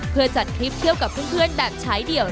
เพื่อจัดทริปเที่ยวกับเพื่อนแบบใช้เดี่ยว